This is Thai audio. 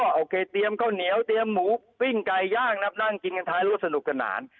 โอเคเตรียมข้าวเหนียวเตรียมหมูปิ้งไก่ย่างนะครับนั่งกินกันท้ายรถสนุกสนาน